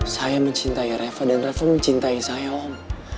saya mencintai reva dan reva mencintai saya om